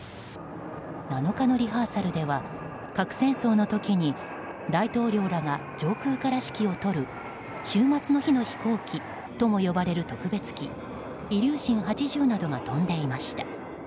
７日のリハーサルでは核戦争の時に大統領らが上空から指揮を執る終末の日の飛行機とも呼ばれる特別機イリューシン８０などが飛んでいました。